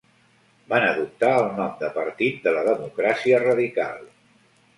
Van adoptar el nom de Partit de la Democràcia Radical.